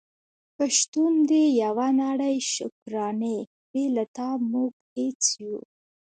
په شتون د يوه نړی شکرانې بې له تا موږ هيڅ يو ❤️